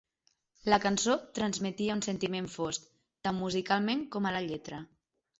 La cançó transmetia un sentiment fosc, tant musicalment com a la lletra.